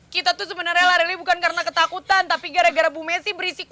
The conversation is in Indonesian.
kita tuh sebenarnya lari bukan karena ketakutan tapi gara gara bu messi berisiko